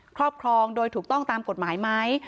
ครอบครองโดยถูกต้องตามกฎหมายไหม